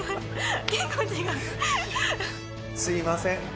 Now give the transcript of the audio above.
すいません。